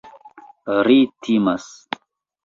Ri timas.